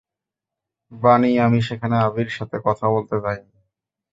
বানি, আমি সেখানে আবির সাথে কথা বলতে যাই নি।